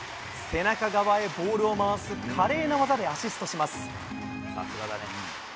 背中側へボールを回す華麗な技でアシストします。